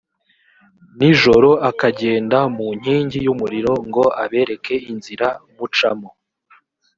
nijoro akagenda mu nkingi y’umuriro ngo abereke inzira mucamo